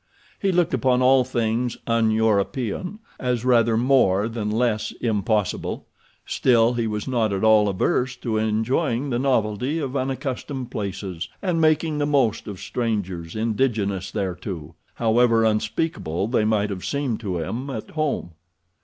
He looked upon all things un European as rather more than less impossible, still he was not at all averse to enjoying the novelty of unaccustomed places, and making the most of strangers indigenous thereto, however unspeakable they might have seemed to him at home.